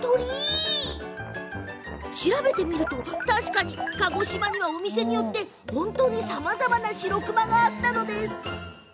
調べてみると、確かに鹿児島にはお店によって、本当にざまざまなしろくまがあったのです。